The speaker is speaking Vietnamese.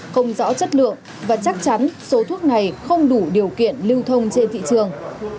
không rõ chất lượng và chắc chắn số thuốc này không đủ điều kiện lưu thông trên thị trường